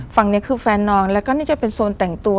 ฝั่งนี้คือแฟนน้องแล้วก็นี่จะเป็นโซนแต่งตัว